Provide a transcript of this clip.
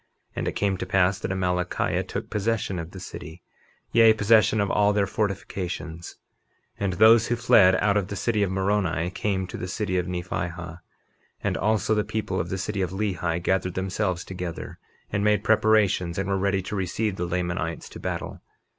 And it came to pass that Amalickiah took possession of the city, yea, possession of all their fortifications. 51:24 And those who fled out of the city of Moroni came to the city of Nephihah; and also the people of the city of Lehi gathered themselves together, and made preparations and were ready to receive the Lamanites to battle.